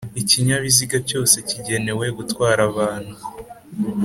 Ikinyabiziga cyose kigenewe gutwara abantu